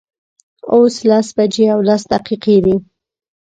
اوس لس بجې او لس دقیقې دي